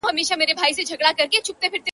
ستا پر کوڅې زيٍارت ته راسه زما واده دی گلي.